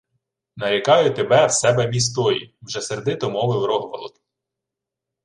— Нарікаю тебе в себе містої — вже сердито мовив Рогволод.